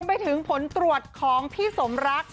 ไปถึงผลตรวจของพี่สมรัก